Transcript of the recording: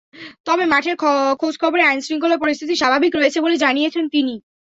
তবে মাঠের খোঁজখবরে আইন শৃঙ্খলা পরিস্থিতি স্বাভাবিক রয়েছে বলে জানিয়েছেন তিনি।